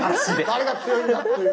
誰が強いのかっていう。